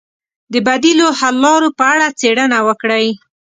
د بدیلو حل لارو په اړه څېړنه وکړئ.